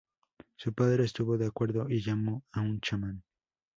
Su padre estuvo de acuerdo y llamó a un chamán.